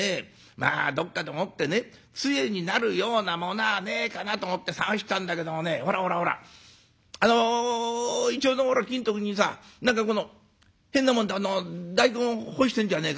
まあどっかでもってねつえになるようなものはねえかなと思って探したんだけどもねほらほらほらあのいちょうの木のとこにさ何かこの変なもんで大根干してんじゃねえかよ。